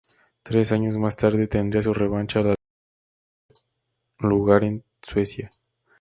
Tres años más tarde tendría su revancha al alcanzar el tercer lugar en Suiza.